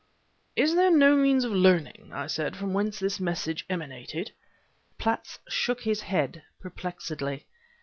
"Is there no means of learning," I said, "from whence this message emanated?" Platts shook his head, perplexedly.